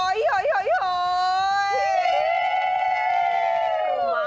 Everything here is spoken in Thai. เหาะเหาะเหาะ